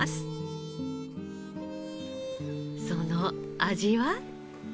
その味は？